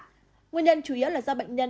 nguyên nhân chủ yếu là do bệnh nhân